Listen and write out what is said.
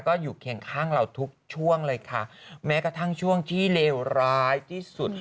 ก็อยู่เคียงข้างเราทุกช่วงเลยค่ะแม้กระทั่งช่วงที่เลวร้ายที่สุด